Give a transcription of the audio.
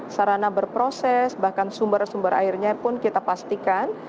sarana berproses bahkan sumber sumber airnya pun kita pastikan